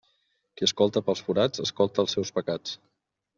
Qui escolta pels forats escolta els seus pecats.